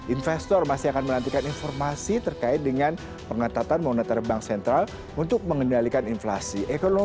investor masih akan menantikan informasi terkait dengan pengetatan moneter bank sentral untuk mengendalikan inflasi